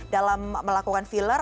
dalam melakukan filler